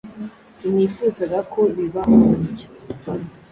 Sinifuzaga ko bibaho gutya.